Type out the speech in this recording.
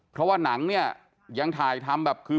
เพราะว่าหนังเนี่ยยังถ่ายทำแบบคือ